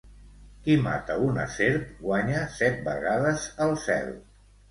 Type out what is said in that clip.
Qui mata una serp guanya set vegades el cel.